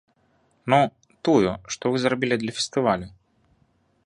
Ну, тую, што вы зрабілі для фестывалю?